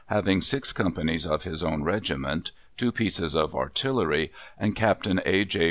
having six companies of his own regiment, two pieces of artillery, and Capt. A. J.